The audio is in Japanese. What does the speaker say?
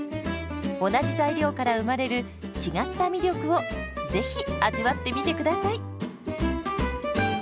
同じ材料から生まれる違った魅力をぜひ味わってみてください。